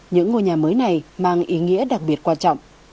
những ngôi nhà mới này mang ý nghĩa đặc biệt quan trọng